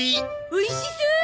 おいしそう！